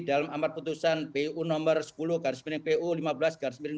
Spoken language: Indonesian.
dalam amar putusan pu no sepuluh garis piring pu lima belas garis piring dua ribu tujuh belas